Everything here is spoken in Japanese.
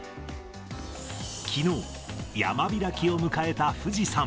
きのう、山開きを迎えた富士山。